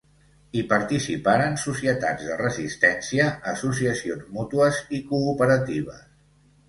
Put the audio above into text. Hi participaren societats de resistència, associacions mútues i cooperatives.